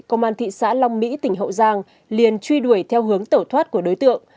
công an thị xã long mỹ tỉnh hậu giang liền truy đuổi theo hướng tẩu thoát của đối tượng